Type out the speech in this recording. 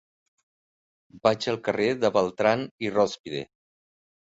Vaig al carrer de Beltrán i Rózpide.